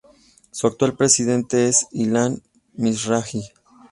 Su actual presidente es Ilan Mizrahi.